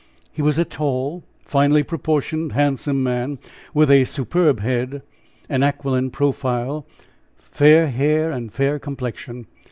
He was a tall, finely proportioned, handsome man, with a superb head, an aquiline profile, and fair hair and fair complexion.